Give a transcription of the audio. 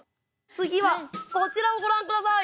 次はこちらをご覧下さい。